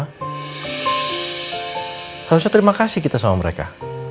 harusnya terima kasih kita sama mereka